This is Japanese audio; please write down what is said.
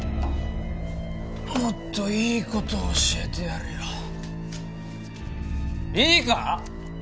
もっといいこと教えてやるよいいか？